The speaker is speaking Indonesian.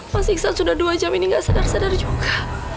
mas iksan sudah dua jam ini gak sadar sadar juga